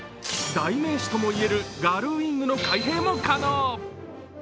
代名詞ともいえるガルウイングの開閉も可能。